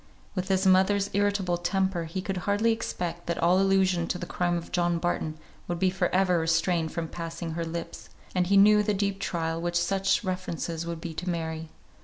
With his mother's irritable temper he could hardly expect that all allusion to the crime of John Barton would be for ever restrained from passing her lips, and he knew the deep trial such references would be to Mary.